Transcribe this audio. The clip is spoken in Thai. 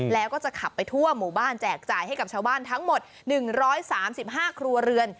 แล้วก็จะขับไปทั่วหมู่บ้านแจกจ่ายให้กับชาวบ้านทั้งหมด๑๓๕ครัวเรือน